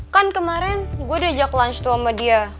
kan kemarin gue udah jack lunch tuh sama dia